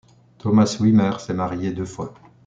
Thomas Wimmer s'est marié deux fois.